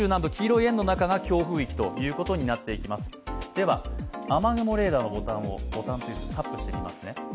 では、雨雲レーダーをタップしてみます。